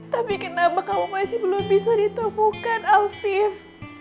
tapi kenapa kamu masih belum bisa ditemukan alfie